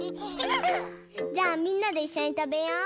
じゃあみんなでいっしょにたべよう。